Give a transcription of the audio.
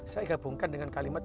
saya gabungkan dengan kalimat